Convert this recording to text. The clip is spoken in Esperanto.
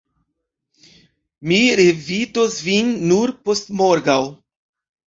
Mi revidos vin nur postmorgaŭ.